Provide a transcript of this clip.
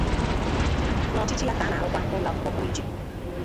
na ọchịchị ya ka na-arụkwu ụlọakwụkwọ pụrụ iche